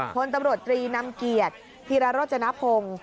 คนตำรวจ๓นำเกียรติธิรรโรจนพงศ์